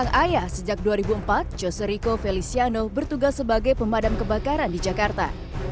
pada tahun dua ribu empat jose rico feliciano bertugas sebagai pemadam kebakaran di jakarta